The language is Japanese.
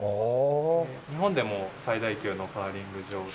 日本でも最大級のカーリング場で。